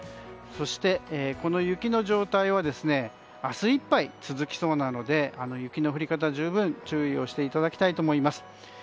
そして、この雪の状態は明日いっぱい続きそうなので雪の降り方に十分注意をしていただきたいと思います。